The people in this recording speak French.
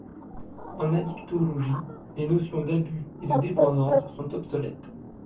En addictologie, les notions d'abus et de dépendance sont obsolètes.